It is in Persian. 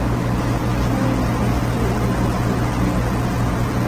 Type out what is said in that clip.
چند قطعهای از انجیل